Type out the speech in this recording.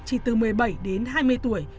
chỉ từ một mươi bảy đến hai mươi tuổi